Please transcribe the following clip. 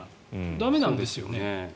駄目なんですよね。